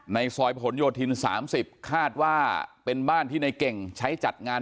ในซอยพหลโยชน์ฮทีนสามสิบคาดว่าเป็นบ้านที่ในเก่งใช้จัดงาน